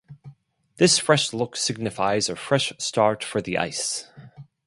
This fresh look signifies a fresh start for the Ice.